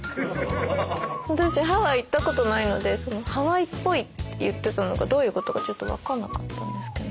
私ハワイ行ったことないのでハワイっぽいって言ってたのがどういうことかちょっと分かんなかったんですけど。